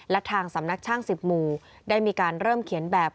และทางสำนักช่าง๑๐หมู่ได้มีการเริ่มเขียนแบบ